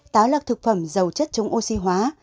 táo là thực phẩm giàu chất chống oxy hóa